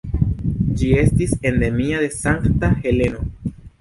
Ĝi estis endemia de Sankta Heleno.